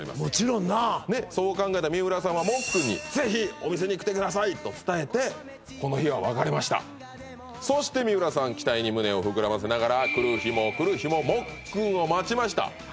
もちろんなあそう考えた三浦さんはモッくんに「ぜひお店に来てください」と伝えてこの日は別れましたそして三浦さん期待に胸を膨らませながら来る日も来る日もモッくんを待ちました